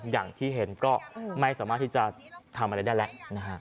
อย่างที่เห็นก็ไม่สามารถที่จะทำอะไรได้แล้วนะฮะ